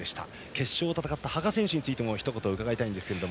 決勝を戦った羽賀選手についてもひと言伺いたいんですが。